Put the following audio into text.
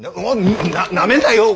ななめんなよ？